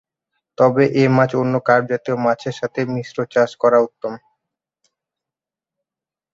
তবে এ মাছ অন্য কার্প জাতীয় মাছের সাথে মিশ্র চাষ করা উত্তম।